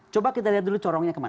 coba kita lihat dulu corongnya kemana